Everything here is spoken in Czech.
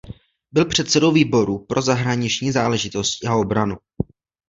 Byl předsedou výboru pro zahraniční záležitosti a obranu.